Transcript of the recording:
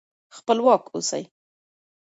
خپلواک اوسئ.